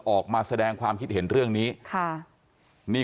ออกมาแสดงความคิดเห็นเรื่องนี้ค่ะ